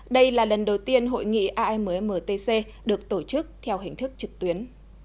đây là lần đầu tiên hội nghị ammtc được tổ chức theo hình thức trực tuyến